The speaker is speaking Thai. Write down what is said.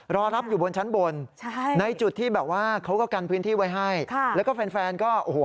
รอรับอยู่บนชั้นบนใช่ในจุดที่แบบว่าเขาก็กันพื้นที่ไว้ให้ค่ะแล้วก็แฟนแฟนก็โอ้โห